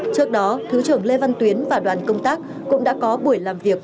trước đó thứ trưởng lê văn tuyến và đoàn công tác cũng đã có buổi làm việc